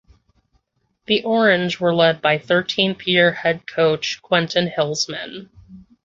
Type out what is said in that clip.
The Orange were led by thirteenth year head coach Quentin Hillsman.